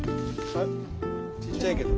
ちっちゃいけど。